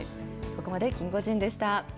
ここまでキンゴジンでした。